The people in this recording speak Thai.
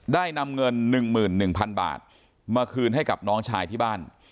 ได้นำเงิน๑๑๐๐๐บาทมาคืนให้กับน้องชายที่บ้าน